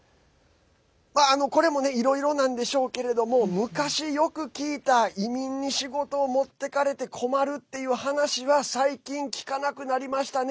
これも、いろいろなんでしょうけど昔よく聞いた移民に仕事を持っていかれて困るっていう話は最近、聞かなくなりましたね。